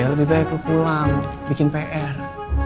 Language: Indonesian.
lebih baik pulang bikin pr